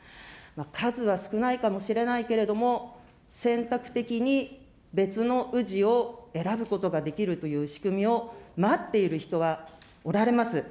数は少ないかもしれないけれども、選択的に別の氏を選ぶことができるという仕組みを待っている人はおられます。